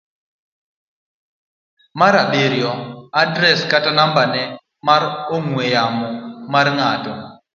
mar abiriyo. Adres kata nambane mar ong'we yamo mar ng'at